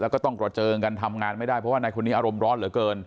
แล้วก็ต้องกระเจิงกันทำงานไม่ได้เพราะว่านายคนนี้อารมณ์ร้อนเหลือเกิน